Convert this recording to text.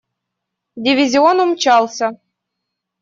Дивизион умчался.